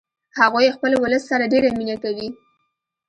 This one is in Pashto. هغوی خپل ولس سره ډیره مینه کوي